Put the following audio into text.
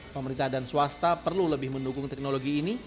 pemerintah dan swasta perlu lebih mendukung teknologi ini